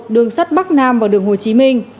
đường sắt bắc nam và đường hồ chí minh